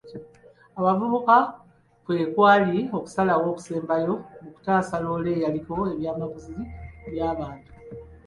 Abavubuka kwe kwali okusalawo okusembayo mu kutaasa loole eyaliko ebyamaguzi by'abantu.